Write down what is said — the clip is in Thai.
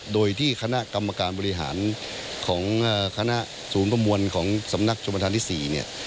โดยที่ขณะกรรมการบริหารของขณะศูนย์กระมวลของสำนักชมธารที่๔